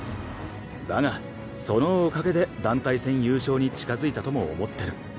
だがそのおかげで団体戦優勝に近付いたとも思ってる。